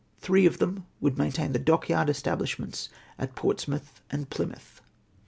Three of them tvould maintain the dockyard establishments at Portsmouth and Plymouth.